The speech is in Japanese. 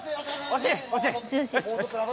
惜しい！